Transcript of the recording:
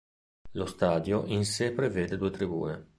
Lo stadio in sé prevede due tribune.